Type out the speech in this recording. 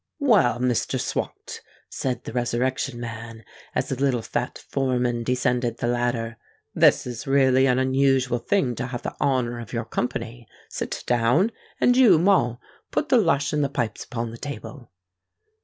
"Well, Mr. Swot," said the Resurrection Man, as the little fat foreman descended the ladder; "this is really an unusual thing to have the honour of your company. Sit down; and you, Moll, put the lush and the pipes upon the table."